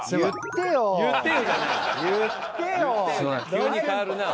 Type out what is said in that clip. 急に変わるなあ。